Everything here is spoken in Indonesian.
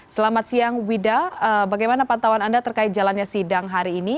selamat siang wida bagaimana pantauan anda terkait jalannya sidang hari ini